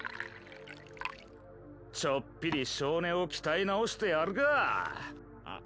ちょっぴり性根をきたえ直してやるかッ。